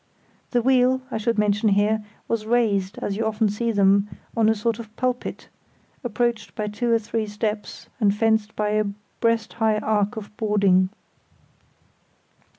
The wheel, I should mention here, was raised, as you often see them, on a sort of pulpit, approached by two or three steps and fenced by a breast high arc of boarding.